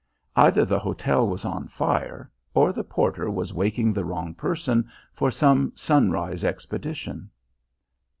Either the hotel was on fire or the porter was waking the wrong person for some sunrise expedition.